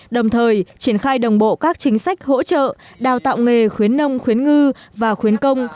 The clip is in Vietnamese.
đồng thời triển khai đồng bộ các chính sách hỗ trợ đào tạo nghề khuyến nông khuyến ngư và khuyến công